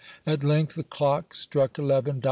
At length the clock struck eleven. Dr.